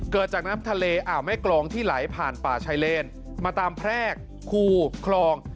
เกิดจากน้ำทะเลอ่าวแม่กรองที่ไหลผ่านป่าชายเลนมาตามแพรกคูคลอง